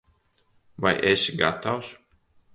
Vai esi gatavs?